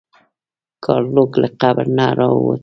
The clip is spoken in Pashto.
ګارلوک له قبر نه راووت.